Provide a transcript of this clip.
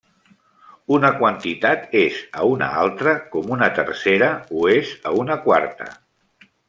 Una quantitat és a una altra, com una tercera ho és a una quarta.